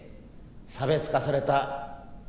差別化された味